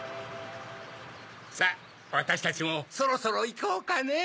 さぁわたしたちもそろそろいこうかねぇ。